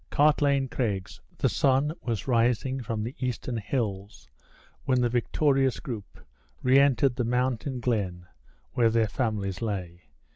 Cartlane Craigs. The sun was rising from the eastern hills when the victorious group re entered the mountain glen where their families lay.